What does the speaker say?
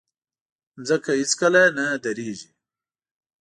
مځکه هیڅکله نه دریږي.